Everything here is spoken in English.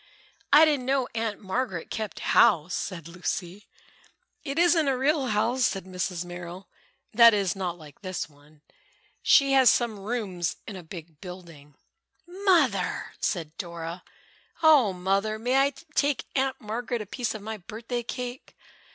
"I didn't know Aunt Margaret kept house," said Lucy. "It isn't a real house," said Mrs. Merrill, "that is, not like this one. She has some rooms in a big building." "Mother!" said Dora, "oh, Mother, may I take Aunt Margaret a piece of my birthday cake?"